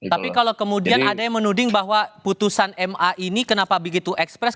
tapi kalau kemudian ada yang menuding bahwa putusan ma ini kenapa begitu ekspres